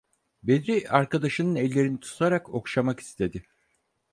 Bedri arkadaşının ellerini tutarak okşamak istedi.